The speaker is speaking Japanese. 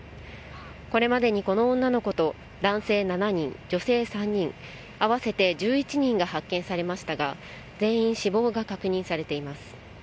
これまでにこの女の子と男性７人、女性３人、合わせて１１人が発見されましたが、全員死亡が確認されています。